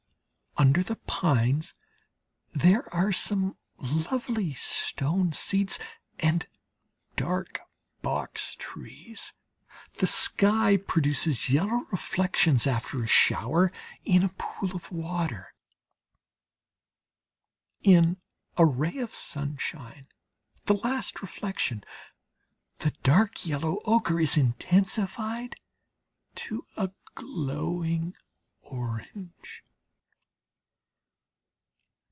Under the pines there are some lovely stone seats and dark box trees. The sky produces yellow reflections after a shower in a pool of water. In a ray of sunshine the last reflection the dark yellow ochre is intensified to a glowing orange.